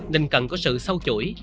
nên cần có sự sâu chuỗi